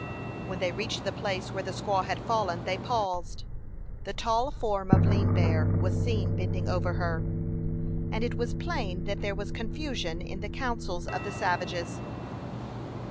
When they reached the place where the squaw had fallen, they paused. The tall form of Lean Bear was seen bending over her, and it was plain that there was confusion in the counsels of the savages.